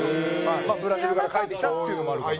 まあブラジルから帰ってきたっていうのもあるから。